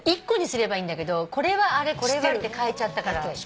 １個にすればいいんだけどこれはあれこれはって変えちゃったから。